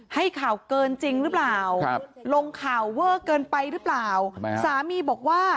ให้ข่าวเกินจริงหรือเปล่าลงข่าวเวิร์ดเกินไปหรือเปล่าสามีบอกว่า